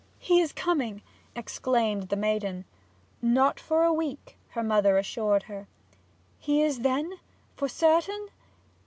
'He is coming!' exclaimed the maiden. 'Not for a week,' her mother assured her. 'He is then for certain?'